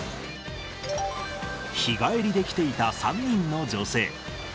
日帰りで来ていた３人の女性。